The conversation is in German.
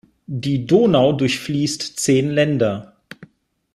Die Donau durchfließt zehn Länder.